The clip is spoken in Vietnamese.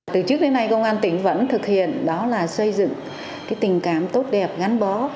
từ trước đến nay công an tỉnh vẫn thực hiện đó là xây dựng tình cảm tốt đẹp gắn bó